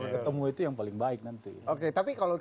ketemu itu yang paling baik nanti